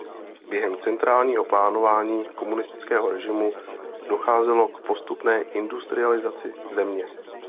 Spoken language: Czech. Během centrálního plánování komunistického režimu docházelo k postupné industrializaci země.